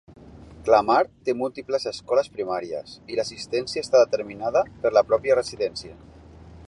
Clamart té múltiples escoles primàries, i l'assistència està determinada per la pròpia residència.